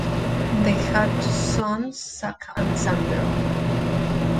They have two sons, Zack and Xander.